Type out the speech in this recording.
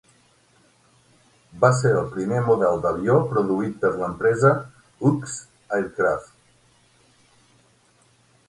Va ser el primer model d'avió produït per l'empresa Hughes Aircraft.